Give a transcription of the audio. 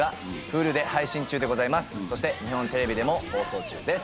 そして日本テレビでも放送中です。